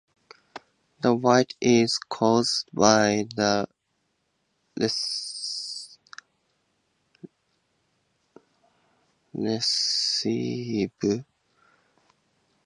The white is caused by the recessive Piebald-gene.